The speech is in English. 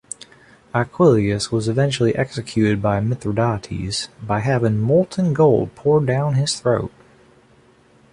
Aquillius was eventually executed by Mithradates by having molten gold poured down his throat.